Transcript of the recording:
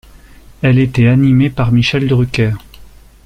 Elle était animée par Michel Drucker.